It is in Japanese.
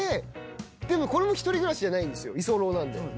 でもこれも一人暮らしじゃないんですよ居候なんで。